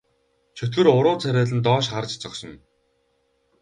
Чөтгөр уруу царайлан доош харж зогсоно.